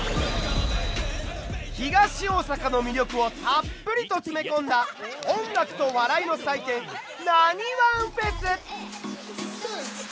東大阪の魅力をたっぷりと詰め込んだ音楽と笑いの祭典「なにわんＦＥＳ」。